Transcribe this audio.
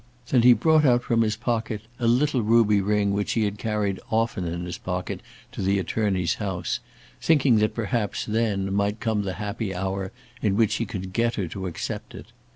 Then he brought out from his pocket a little ruby ring which he had carried often in his pocket to the attorney's house, thinking that perhaps then might come the happy hour in which he could get her to accept it.